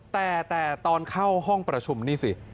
แต่ตอนเข้าห้องประชุมนี่สิ